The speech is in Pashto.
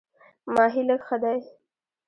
ماهی لږ ښه دی.